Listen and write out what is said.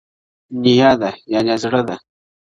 نیا ده یانې زړه ده